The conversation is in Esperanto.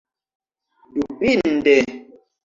Dubinde.